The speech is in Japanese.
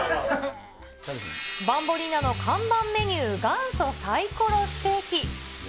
バンボリーナの看板メニュー、元祖サイコロステーキ。